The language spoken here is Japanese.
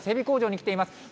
工場に来ています。